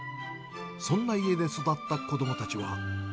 そんな家で育った子どもたちは。